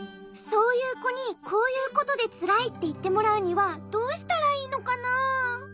そういうこに「こういうことでつらい」っていってもらうにはどうしたらいいのかな？